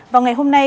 vào ngày hôm nay